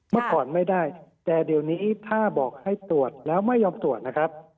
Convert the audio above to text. เมื่อก่อนไม่ได้แต่เดี๋ยวนี้ถ้าบอกให้ตรวจแล้วไม่ยอมตรวจนะครับ